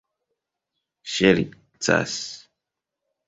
ŝercas